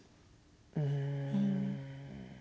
うん。